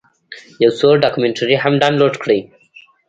یو څو ډاکمنټرۍ هم ډاونلوډ کړې.